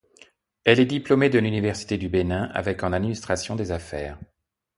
Elle est diplômée de l'université du Bénin avec en administration des affaires.